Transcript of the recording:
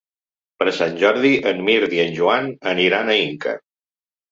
Per Sant Jordi en Mirt i en Joan aniran a Inca.